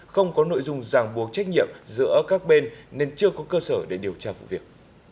không có nội dung ràng buộc trách nhiệm giữa các bên nên chưa có cơ sở để điều tra vụ việc